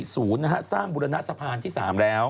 ศูนย์สร้างบุรณสะพานที่๓แล้ว